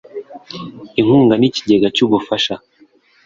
inkunga n Ikigega cy ubufasha